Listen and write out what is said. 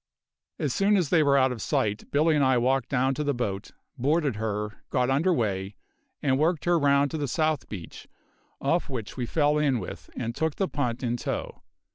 As soon as they were out of sight, Billy and I walked down to the boat, boarded her, got under way, and worked her round to the south beach, off which we fell in with and took the punt in tow.